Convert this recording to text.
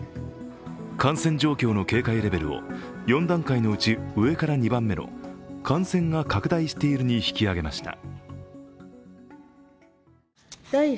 感染状況の警戒レベルを４段階のうち上から２番目の感染が拡大しているに引き上げました。